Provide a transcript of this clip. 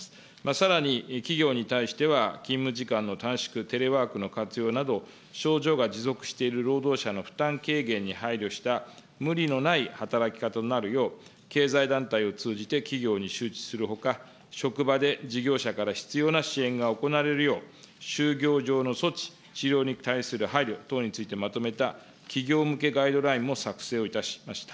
さらに企業に対しては、勤務時間の短縮、テレワークの活用など、症状が持続している労働者の負担軽減に配慮した無理のない働き方となるよう、経済団体を通じて企業に周知するほか、職場で事業者から必要な支援が行われるよう、就業上の措置、治療に対する配慮等についてまとめた企業向けガイドラインも作成をいたしました。